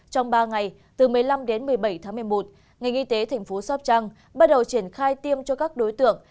trong ba ngày từ một mươi năm đến một mươi bảy tháng một mươi một ngày nghị tế tp sopchang bắt đầu triển khai tiêm cho các đối tượng